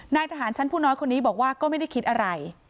นายทหารชั้นผู้น้อยคนนี้บอกว่าก็ไม่ได้คิดอะไร